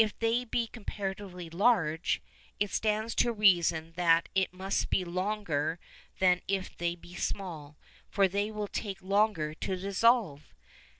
If they be comparatively large, it stands to reason that it must be longer than if they be small, for they will take longer to dissolve.